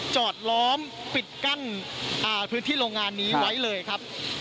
จอดล้อมปิดกั้นพื้นที่โรงงานนี้ไว้เลยครับ